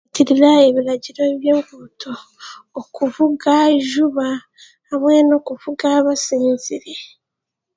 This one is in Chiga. okukuratira ebiragiro ebyo, okuvuga juba hamwe n'okuvuga basinzire.